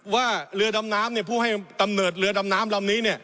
ว่าเรือดำน้ำน้ำเนี่ยผู้ให้ดำเนิดเรือดำน้ำนำลำนี้เนี่ย